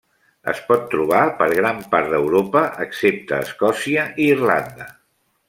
Es pot trobar per gran part d'Europa excepte Escòcia i Irlanda.